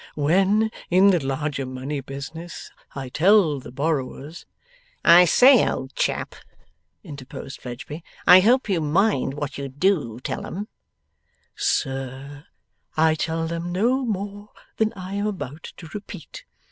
When, in the larger money business, I tell the borrowers ' 'I say, old chap!' interposed Fledgeby, 'I hope you mind what you DO tell 'em?' 'Sir, I tell them no more than I am about to repeat.